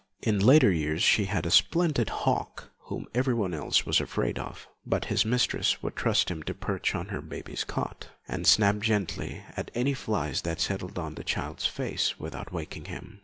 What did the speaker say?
In later years she had a splendid hawk whom everyone else was afraid of, but his mistress would trust him to perch on her baby's cot, and snap gently at any flies which settled on the child's face without waking him.